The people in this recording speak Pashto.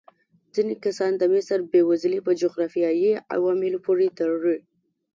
ځینې کسان د مصر بېوزلي په جغرافیايي عواملو پورې تړي.